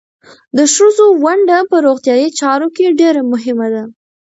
د ښځو ونډه په روغتیايي چارو کې ډېره مهمه ده.